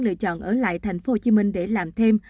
lựa chọn ở lại tp hcm để làm thêm